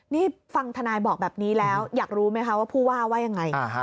นี่ฟังทนายบอกแบบนี้แล้วอยากรู้ไหมคะว่าผู้ว่าว่ายังไง